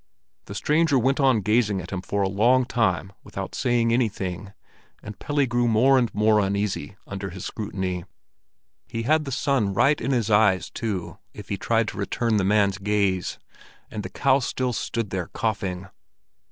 The stranger went on gazing at him for a long time without saying anything, and Pelle grew more and more uneasy under his scrutiny; he had the sun right in his eyes too, if he tried to return the man's gaze, and the cow still stood there coughing.